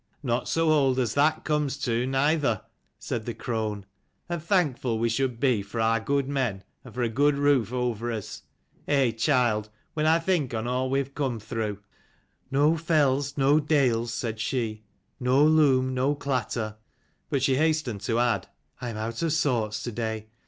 "Not so old as that comes to, neither," said the crone. "And thankful we should be for our good men and for a good roof over us. Eh, child, when I think on all we have come through." " No fells, no dales," said she: " no loom, no clatter;" but she hastened to add "I am out of sorts to day.